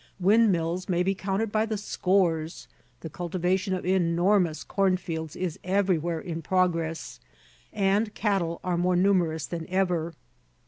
Windmills may be counted by the scores, the cultivation of enormous cornfields is everywhere in progress, and cattle are more numerous than ever.